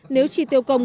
nếu chỉ tiêu công